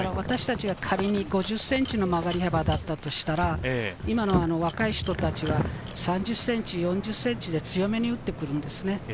私たちが仮に５０ｃｍ曲がれば、今の若い人たちは３０ｃｍ、４０ｃｍで強めに打ってくるんですよね。